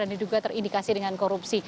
dan diduga terindikasi dengan korupsi